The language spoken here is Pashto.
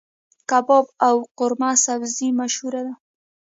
کباب او قورمه سبزي مشهور دي.